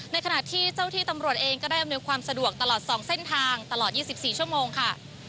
ขณะที่เจ้าที่ตำรวจเองก็ได้อำนวยความสะดวกตลอด๒เส้นทางตลอด๒๔ชั่วโมงค่ะ